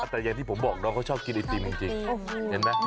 แต่อย่างที่ผมบอกน้องเขาชอบกินอีทีมจริง